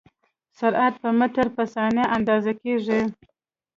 سرعت په متر په ثانیه اندازه کېږي.